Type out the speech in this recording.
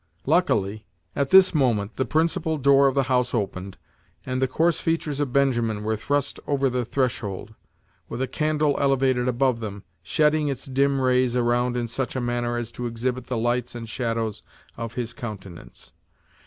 Luckily, at this moment the principal door of the house opened, and the coarse features of Benjamin were thrust over the threshold, with a candle elevated above them, shedding its dim rays around in such a manner as to exhibit the lights and shadows of his countenance.